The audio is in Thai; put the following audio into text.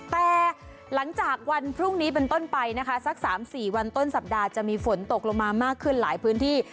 แต่หลังจากวันพรุ่งนี้เป็นต้นไปนะคะสัก๓๔วันต้นสัปดาห์จะมีฝนตกลงมามากขึ้นหลายพื้นที่